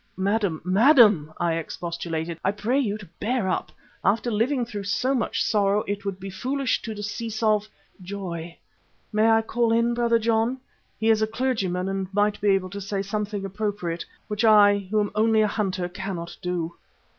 "Madam, madam," I expostulated, "I pray you to bear up. After living through so much sorrow it would be foolish to decease of joy. May I call in Brother John? He is a clergyman and might be able to say something appropriate, which I, who am only a hunter, cannot do."